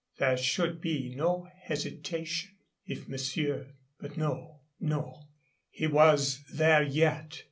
There should be no hesitation. If monsieur But no! no! He was there yet.